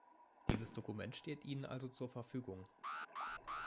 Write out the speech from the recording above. Dieses Dokument steht Ihnen also zur Verfügung.